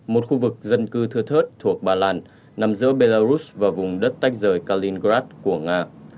một khu vực dân cư thưa thớt thuộc ba lan nằm giữa belarus và vùng đất tách rời kalingrad của nga